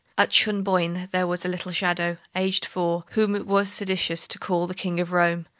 At Schoenbrunn there was a little shadow, aged four, whom it was seditious to call the King of Rome.